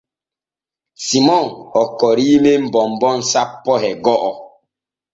Simon hokkorii men bonbon sappo e go’o.